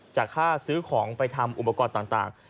จากค่าซื้อของไปทำอุปกรณ์ต่าง